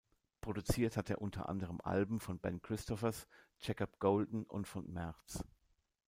Produziert hat er unter anderem Alben von Ben Christophers, Jacob Golden und von Merz.